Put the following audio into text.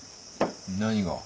何が？